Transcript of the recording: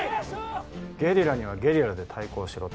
ゲリラにはゲリラで対抗しろと？